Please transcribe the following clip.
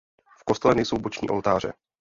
V kostele nejsou boční oltáře.